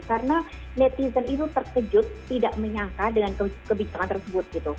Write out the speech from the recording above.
karena netizen itu terkejut tidak menyangka dengan kebicaraan tersebut